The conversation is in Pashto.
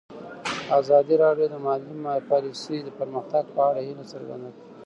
ازادي راډیو د مالي پالیسي د پرمختګ په اړه هیله څرګنده کړې.